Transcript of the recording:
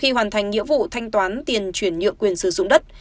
hành nghĩa vụ thanh toán tiền chuyển nhượng quyền sử dụng đất